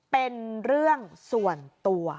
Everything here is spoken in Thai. เป็นเรื่องส่วนตัว